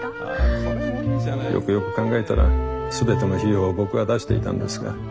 よくよく考えたら全ての費用を僕が出していたんですが。